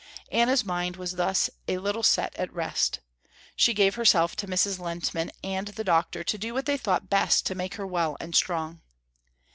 Anna's mind was thus a little set at rest. She gave herself to Mrs. Lehntman and the doctor to do what they thought best to make her well and strong.